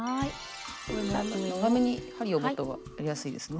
長めに針を持った方がやりやすいですね。